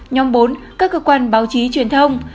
nhóm bốn các cơ quan báo chí truyền thông